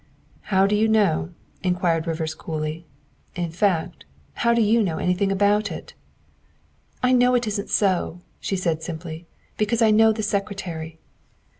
" How do you know?" inquired Rivers coolly; " hi fact, how do you know anything about it?" " I know it isn't so," she said simply, " because I know the Secretary."